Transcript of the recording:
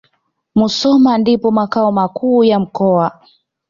Musoma ndipo makao makuu ya mkoa